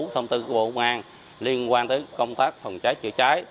thông tư của bộ công an liên quan tới công tác phòng cháy chữa cháy